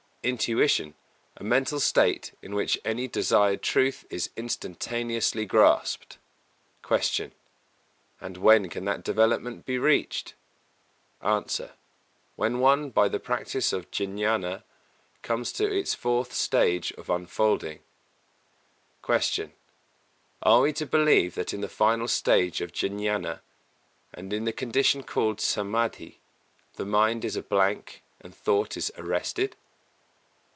Intuition a mental state in which any desired truth is instantaneously grasped. 275. Q. And when can that development be reached? A. When one, by the practice of Jñāna, comes to its fourth stage of unfolding. 276. Q. _Are we to believe that in the final stage of Jñāna, and in the condition called Samādhi, the mind is a blank and thought is arrested?